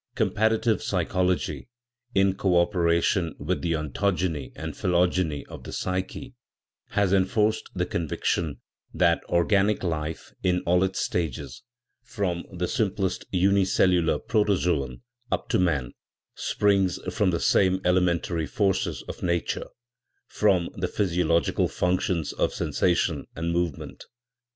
Comparative psy chology, in co operation with the ontogeny and phy logeny of the psyche, has enforced the conviction that organic life in all its stages, from the simplest unicel lular protozoon up to man, springs from the same ele mentary forces of nature, from the physiological func tions of sensation and movement.